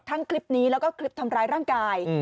คลิปนี้แล้วก็คลิปทำร้ายร่างกาย